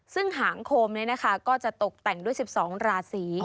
ซึ่งหางโคมนี้นะคะก็จะตกแต่งด้วย๑๒ราศี